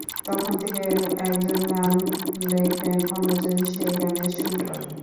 তখন থেকে একজন গান লেখেন, অন্যজন সে-গানের সুর করেন।